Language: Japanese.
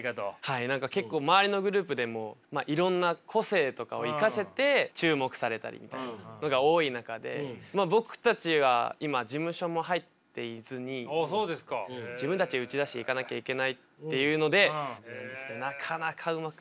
結構周りのグループでもいろんな個性とかを生かせて注目されたりみたいなのが多い中で僕たちは今事務所も入っていずに自分たちで打ち出していかなきゃいけないっていうのでなかなかうまくいかない。